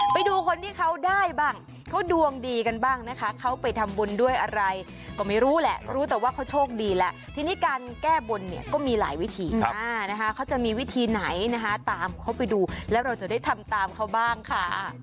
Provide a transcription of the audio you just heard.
ไปดูคนที่เขาได้บ้างเขาดวงดีกันบ้างนะคะเขาไปทำบุญด้วยอะไรก็ไม่รู้แหละรู้แต่ว่าเขาโชคดีแล้วทีนี้การแก้บนเนี่ยก็มีหลายวิธีนะคะเขาจะมีวิธีไหนนะคะตามเขาไปดูแล้วเราจะได้ทำตามเขาบ้างค่ะ